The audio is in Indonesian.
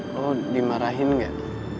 lo dimarahin gak